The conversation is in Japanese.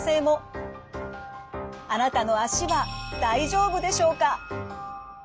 あなたの足は大丈夫でしょうか？